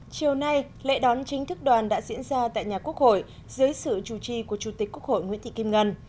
chiều nay lễ đón chính thức đoàn đã diễn ra tại nhà quốc hội dưới sự chủ trì của chủ tịch quốc hội nguyễn thị kim ngân